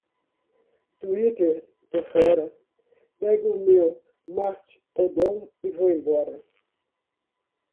Twitter? Tô fora, pego o meu Mastodon e vou embora.